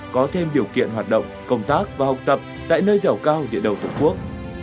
có thêm điều kiện hoạt động công tác và học tập tại nơi dẻo cao địa đầu tổ quốc